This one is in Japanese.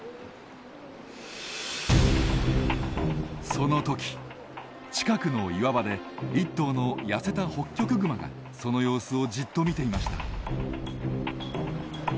その時近くの岩場で１頭の痩せたホッキョクグマがその様子をじっと見ていました。